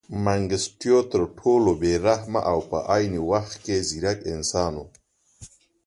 منګیسټیو تر ټولو بې رحمه او په عین وخت کې ځیرک انسان و.